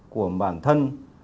của bản thân